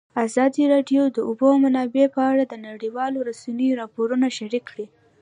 ازادي راډیو د د اوبو منابع په اړه د نړیوالو رسنیو راپورونه شریک کړي.